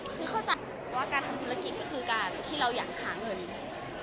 คือเข้าใจว่าการทำธุรกิจก็คือการที่เราอยากหาเงิน